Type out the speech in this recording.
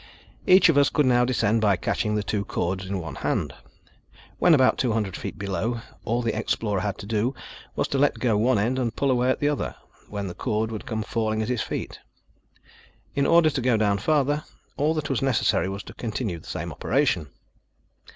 Each of us could now descend by catching the two cords in one hand. When about two hundred feet below, all the explorer had to do was to let go one end and pull away at the other, when the cord would come falling at his feet. In order to go down farther, all that was necessary was to continue the same operation.